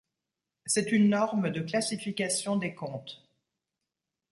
C'est une norme de classification des comptes.